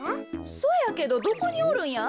そやけどどこにおるんや？